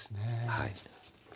はい。